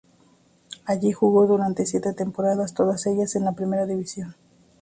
Allí jugó durante siete temporadas, todas ellas en la Primera División.